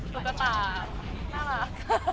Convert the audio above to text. ตุ๊กตาน่ารัก